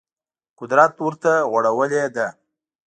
قدرت ورته غوړولې ده